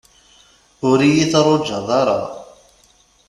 Ur iyi-trujaḍ ara.